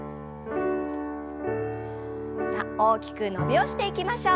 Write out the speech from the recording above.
さあ大きく伸びをしていきましょう。